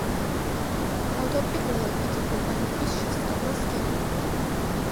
თავდაპირველად, იგი ბოტანიკის შესწავლას გეგმავდა.